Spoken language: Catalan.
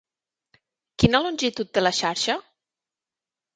Quina longitud té la xarxa?